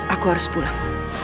aku harus pulang